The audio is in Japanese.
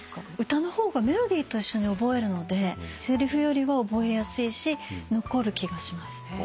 歌の方がメロディーと一緒に覚えるのでせりふよりは覚えやすいし残る気がします。